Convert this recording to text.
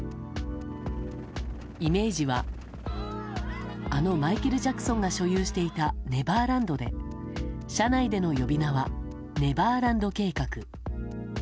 イメージはあのマイケル・ジャクソンが所有していたネバーランドで社内での呼び名はネバーランド計画。